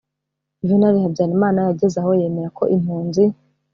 yuvenali habyarimana yageze aho yemera ko impunzi